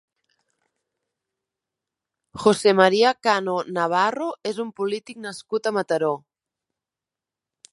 José María Cano Navarro és un polític nascut a Mataró.